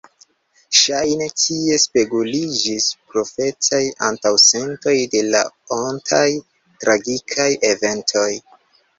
Ŝajne, tie speguliĝis profetaj antaŭsentoj de la ontaj tragikaj eventoj.